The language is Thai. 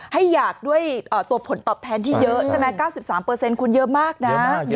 อยากด้วยตัวผลตอบแทนที่เยอะใช่ไหม๙๓คุณเยอะมากนะ